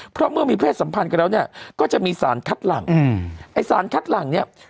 เพราะเมื่อมีเพศสัมพันธ์กันแล้วเนี่ยก็จะมีสารคัดหลังอืมไอ้สารคัดหลังเนี่ย